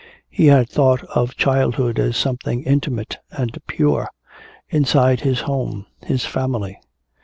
He had thought of childhood as something intimate and pure, inside his home, his family.